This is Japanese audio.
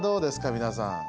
皆さん。